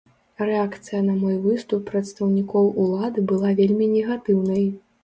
Рэакцыя на мой выступ прадстаўнікоў улады была вельмі негатыўнай.